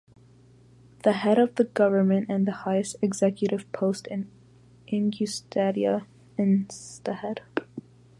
The head of government and the highest executive post in Ingushetia is the Head.